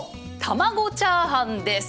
卵チャーハンです！